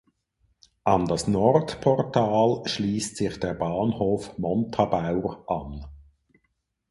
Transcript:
An das Nordportal schließt sich der Bahnhof Montabaur an.